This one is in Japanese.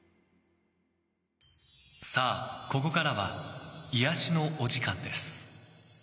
さあ、ここからは癒やしのお時間です。